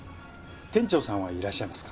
店長さんはいらっしゃいますか？